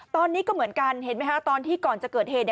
ตอนนี้ก็เหมือนกันเห็นไหมคะตอนที่ก่อนจะเกิดเหตุ